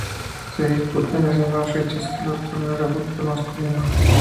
Se disputa en las mismas fechas que los torneos de fútbol masculino.